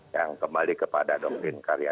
yang kembali kepada doktrin karya